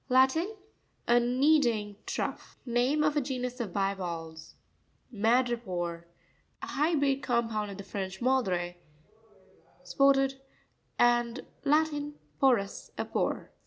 — Latin. A_ kneading. trough. Name of a genus of bi valves. Ma'prepore.—A hybrid compound of the French madré, spotted, and. Latin, porus,a pore.